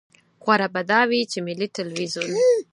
غوره به دا وي چې ملي ټلویزیون.